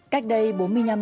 cách đây bốn mươi năm năm